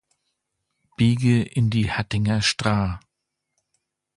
Biege in die Hattinger Stra